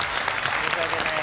申し訳ない。